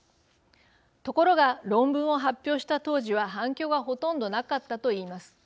ところが論文を発表した当時は、反響はほとんどなかったと言います。